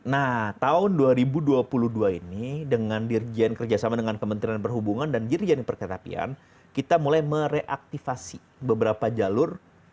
nah tahun dua ribu dua puluh dua ini dengan dirjen kerjasama dengan kementerian perhubungan dan dirjen perkeretapian kita mulai mereaktivasi beberapa jalur